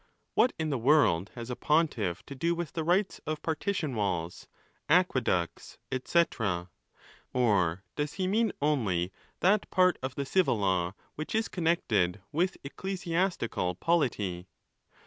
What in the world has a pontiff to do with the rights of partition walls, aqueducts, &c.? Or does he mean only that part of the civil Jaw which is connected with ecclesiastical polity?